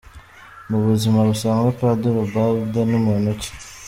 Mu buzima busanzwe Padiri Ubald ni muntu ki?.